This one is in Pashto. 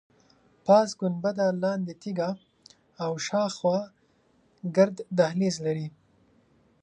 پاس ګنبده، لاندې تیږه او شاخوا ګرد دهلیز لري.